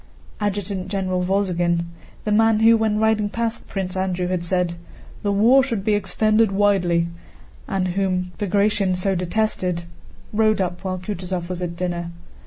Adjutant General Wolzogen, the man who when riding past Prince Andrew had said, "the war should be extended widely," and whom Bagratión so detested, rode up while Kutúzov was at dinner.